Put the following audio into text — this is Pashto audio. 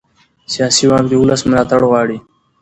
سیاسي واک د ولس ملاتړ غواړي